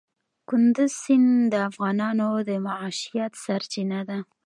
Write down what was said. کندز سیند د افغانانو د معیشت سرچینه ده.